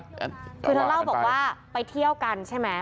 คือเธอเล่าบอกว่าไปเที่ยวกันใช่ไหม